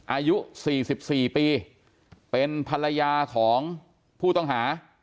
อายุ๔๔ปีเป็นภรรยาของผู้ต้องหา